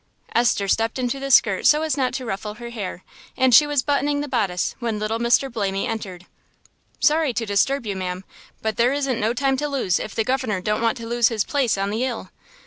Esther stepped into the skirt so as not to ruffle her hair, and she was buttoning the bodice when little Mr. Blamy entered. "Sorry to disturb you, ma'am, but there isn't no time to lose if the governor don't want to lose his place on the 'ill."